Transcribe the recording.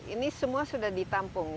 ini semua sudah ditampung